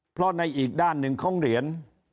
เพราะในอีกด้านหนึ่งของเหรียญ